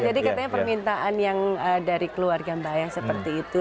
katanya permintaan yang dari keluarga mbak yang seperti itu